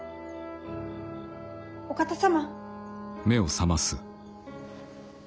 ・お方様。